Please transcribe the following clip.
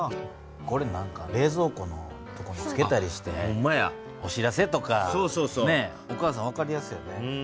これ冷ぞう庫のとこにつけたりしてお知らせとかお母さん分かりやすいよね。